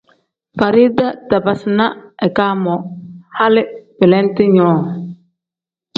Farida tabiizi na ika moo hali belente nyoo.